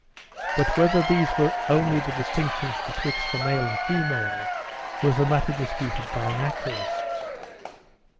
But whether these were only the distinctions betwixt the male and female, was a matter disputed by our naturalists.